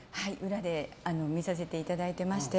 裏で見させていただいておりまして。